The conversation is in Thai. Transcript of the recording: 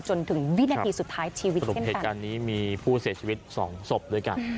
จนถึงวินาทีสุดท้ายชีวิตเหตุการณ์นี้มีผู้เสียชีวิตสองศพด้วยกัน